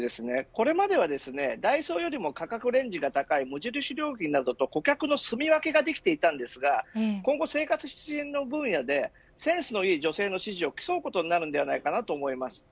これまでは、ダイソーよりも価格レンジが高い無印良品などと顧客のすみ分けができていましたが今後は生活必需品の分野でセンスのいい女性の支持を競うことになります。